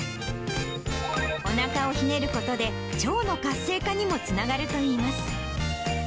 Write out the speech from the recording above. おなかをひねることで、腸の活性化にもつながるといいます。